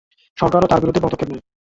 সরকার ও তার বিরুদ্ধে পদক্ষেপ নেয়।